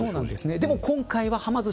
でも、今回は、はま寿司